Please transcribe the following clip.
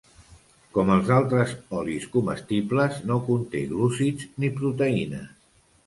Com els altres olis comestibles no conté glúcids ni proteïnes.